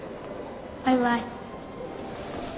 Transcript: バイバイ。